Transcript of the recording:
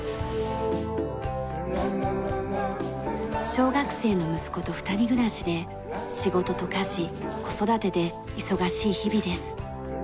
小学生の息子と２人暮らしで仕事と家事子育てで忙しい日々です。